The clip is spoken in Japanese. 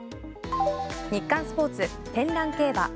日刊スポーツ、天覧競馬。